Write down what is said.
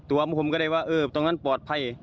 ตัวมุมผมก็ได้ว่าตรงนั้นปลอดภัย